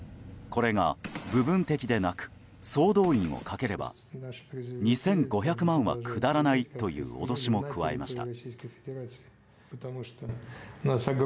これが部分的でなく総動員をかければ２５００万は下らないという脅しも加えました。